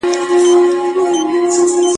په کلي کې د اوبو د ویش زوړ سیستم ډیر عادلانه دی.